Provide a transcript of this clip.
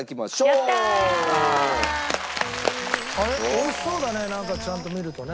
美味しそうだねなんかちゃんと見るとね。